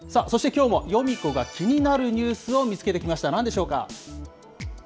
そしてきょうもヨミ子が気になるニュースを見つけてきました。